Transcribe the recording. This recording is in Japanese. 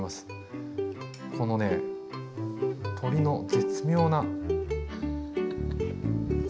このね鶏の絶妙な。